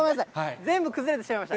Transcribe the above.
全部崩れてしまいました。